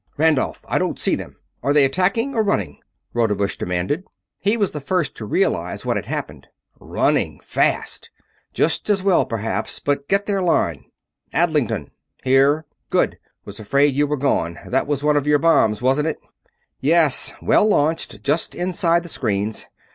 "Randolph! I don't see them! Are they attacking or running?" Rodebush demanded. He was the first to realize what had happened. "Running fast!" "Just as well, perhaps, but get their line. Adlington!" "Here!" "Good! Was afraid you were gone that was one of your bombs, wasn't it?" "Yes. Well launched, just inside the screens.